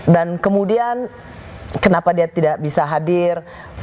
dan kemudian kenapa dia tidak bisa hadir